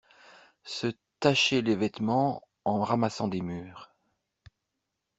Se tâcher les vêtements en ramassant des mûres.